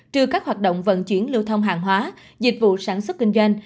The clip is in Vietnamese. trừ các hoạt động vận chuyển lưu thông hàng hóa dịch vụ sản xuất kinh doanh